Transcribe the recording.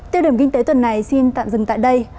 tiêu điểm kinh tế tuần này xin tạm dừng tại đây